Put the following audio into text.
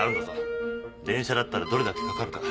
電車だったらどれだけかかるか。